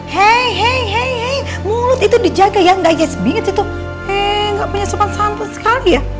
hei hei hei hei mulut itu dijaga ya gak yes binget itu hei gak punya sopan santun sekali ya